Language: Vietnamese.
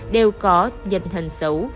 đều có nhận thần xấu